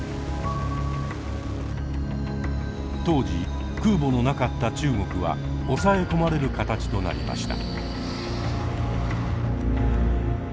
当時空母のなかった中国は押さえ込まれる形となりました。